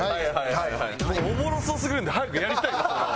おもろそすぎるんで早くやりたいです俺は。